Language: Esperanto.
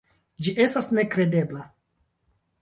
Ĝi estas nekredebla.